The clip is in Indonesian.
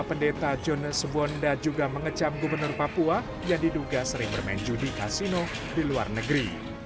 pendeta jonas bonda juga mengecam gubernur papua yang diduga sering bermain judi kasino di luar negeri